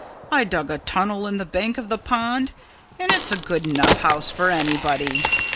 "I dug a tunnel in the bank of the pond; and it's a good enough house for anybody.